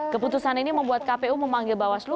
keputusan ini membuat kpu memanggil bawaslu